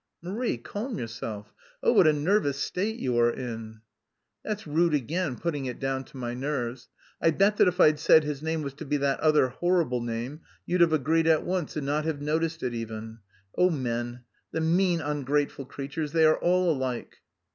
"Marie, calm yourself; oh, what a nervous state you are in!" "That's rude again, putting it down to my nerves. I bet that if I'd said his name was to be that other... horrible name, you'd have agreed at once and not have noticed it even! Oh, men, the mean ungrateful creatures, they are all alike!"